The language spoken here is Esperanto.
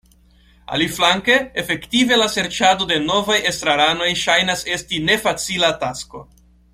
Aliflanke efektive la serĉado de novaj estraranoj ŝajnas esti nefacila tasko.